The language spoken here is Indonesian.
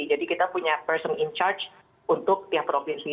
jadi kita punya person in charge untuk tiap provinsi